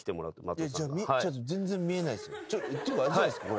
ていうかあれじゃないですか？